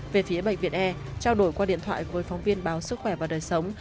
về phía bệnh viện e trao đổi qua điện thoại với phóng viên báo sức khỏe và đời sống